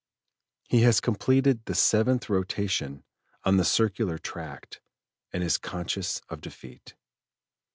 He has completed the seventh rotation on the circular tract and is conscious of defeat.